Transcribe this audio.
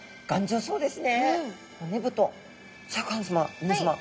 そうですね。